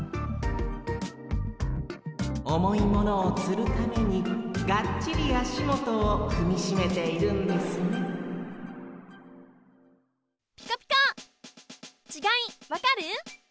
おもいものをつるためにがっちりあしもとをふみしめているんですねピコピコ！